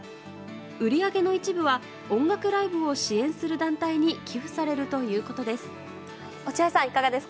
売り上げの一部は音楽ライブを支援する団体に寄付されるということです。